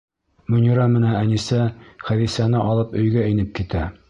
Мөнирә менән Әнисә Хәҙисәне алып өйгә инеп китә.